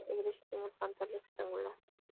La iglesia tiene planta rectangular.